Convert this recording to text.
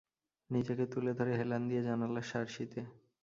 নিজেকে তুলে ধরে হেলান দিল জানালার শার্সিতে।